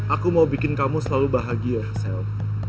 aku mau bikin kamu selalu bahagia self